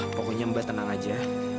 pokoknya mbak tenang aja